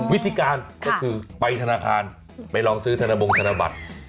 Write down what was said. วิธีการก็คือไปธนาคารไปลองซื้อธนบงธนบัตร